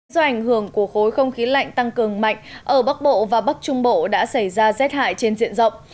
do ảnh hưởng của khối không khí lạnh tăng cường mạnh ở bắc bộ và bắc trung bộ đã xảy ra rét hại trên diện rộng